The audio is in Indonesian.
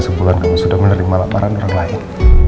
sebulan kamu sudah menerima laporan orang lain